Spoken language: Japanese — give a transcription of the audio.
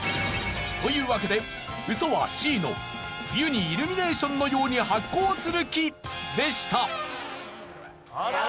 というわけでウソはＣの冬にイルミネーションのように発光する木でした。